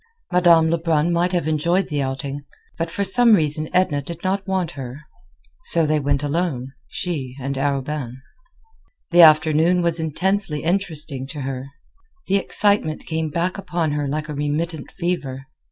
Madame Lebrun might have enjoyed the outing, but for some reason Edna did not want her. So they went alone, she and Arobin. The afternoon was intensely interesting to her. The excitement came back upon her like a remittent fever.